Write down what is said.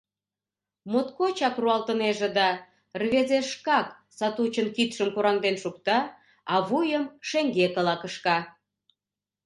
Моткочак руалтынеже, да рвезе шкак сатучын кидшым кораҥден шукта, а вуйым шеҥгекыла кышка.